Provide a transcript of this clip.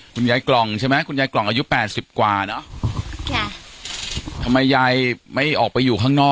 กล่องใช่ไหมคุณยายกล่องอายุแปดสิบกว่าเนอะค่ะทำไมยายไม่ออกไปอยู่ข้างนอก